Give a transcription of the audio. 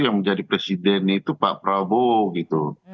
yang menjadi presiden itu pak prabowo gitu